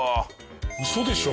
ウソでしょ？